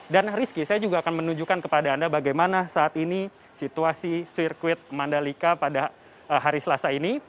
dan rizky saya juga akan menunjukkan kepada anda bagaimana saat ini situasi sirkuit mandalika pada hari selasa ini